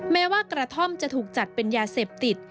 แม้ว่ากระท่อมจะถูกจัดเป็นยาเสพติด